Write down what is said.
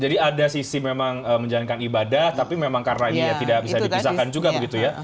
jadi ada sisi memang menjalankan ibadah tapi memang karanya ya tidak bisa dipisahkan juga begitu ya